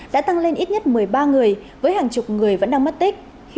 đã tăng lên ít nhất một mươi ba người với hàng chục người vẫn đang mất tích